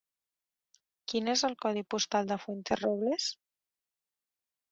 Quin és el codi postal de Fuenterrobles?